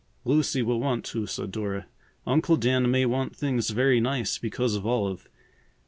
"Lucy will want to," said Dora. "Uncle Dan may want things very nice because of Olive.